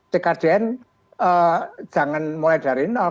tkdn jangan mulai dari nol